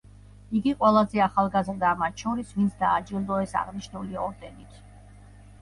იგი ყველაზე ახალგაზრდაა მათ შორის ვინც დააჯილდოეს აღნიშნული ორდენით.